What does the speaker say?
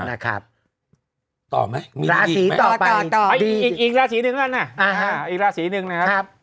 นะครับต่อไหมราศีต่อไปอีกราศีหนึ่งอันน่ะอีกราศีหนึ่งนะครับ